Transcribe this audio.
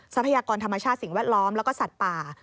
ทรัพยากรธรรมชาติสิ่งแวดล้อมแล้วก็สัตว์ป่า